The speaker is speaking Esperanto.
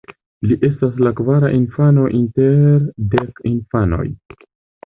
Li estas la kvara infano inter dek infanoj.